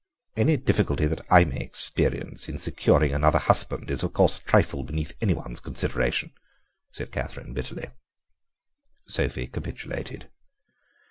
"Any difficulty that I may experience in securing another husband is of course a trifle beneath anyone's consideration," said Catherine bitterly. Sophie capitulated.